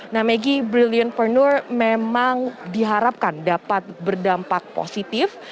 nah maggie brilliantpreneur memang diharapkan dapat berdampak positif